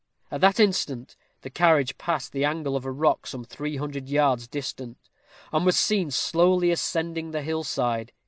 At that instant the carriage passed the angle of a rock some three hundred yards distant, and was seen slowly ascending the hill side.